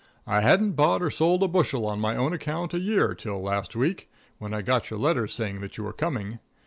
I hadn't bought or sold a bushel on my own account in a year till last week, when I got your letter saying that you were coming.